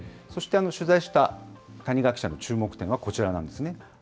そして取材した谷川記者の注目点はこちらなんですね。